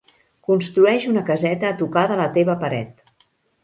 Construeix una caseta a tocar de la teva paret.